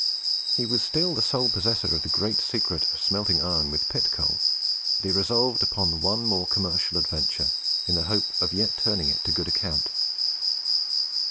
He was still the sole possessor of the grand secret of smelting iron with pit coal, and he resolved upon one more commercial adventure, in the hope of yet turning it to good account.